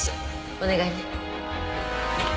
お願いね